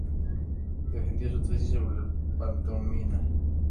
Defendió su tesis sobre el pantomima.